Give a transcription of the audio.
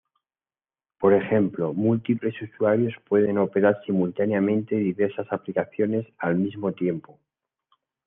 Por ejemplo, múltiples usuarios pueden operar simultáneamente diversas aplicaciones al mismo tiempo.